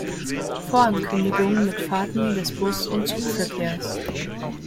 Vorankündigung mit Fahrten des Bus- und Zugverkehrs.